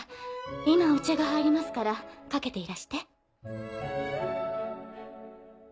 今お茶が入りますから掛けていらして。